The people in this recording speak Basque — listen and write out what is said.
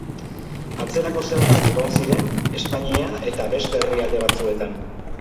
Antzerako zergak egon ziren Espainia eta beste herrialde batzuetan.